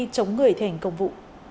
chống người thành công vụ